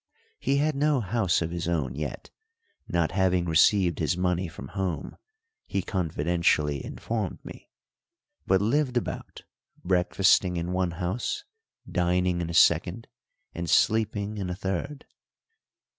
He had no house of his own yet, not having received his money from home, he confidentially informed me, but lived about, breakfasting in one house, dining in a second, and sleeping in a third.